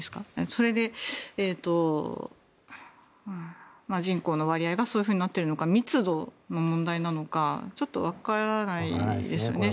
それで、人口割合がそういうふうになっているのか密度の問題なのかちょっと分からないですよね。